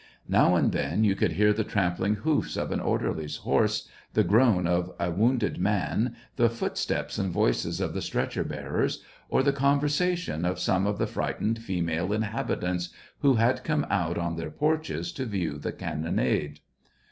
Now and then, you could hear the trampling hoofs of an orderly's horse, the groan of a wounded man, the footsteps and voices of the stretcher bearers, or the conversation of some of the frightened female inhabitants, who had come out on their porches to view the cannonade.